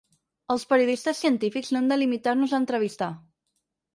Els periodistes científics no hem de limitar-nos a entrevistar.